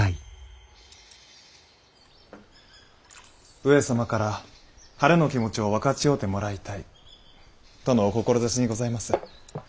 上様から晴れの気持ちを分かち合うてもらいたいとのお志にございます。